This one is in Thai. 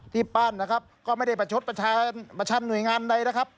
ปั้นนะครับก็ไม่ได้ประชดประชันหน่วยงานใดนะครับ